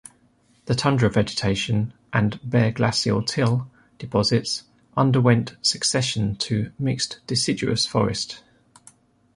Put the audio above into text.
The tundra vegetation and bare glacial till deposits underwent succession to mixed deciduous forest.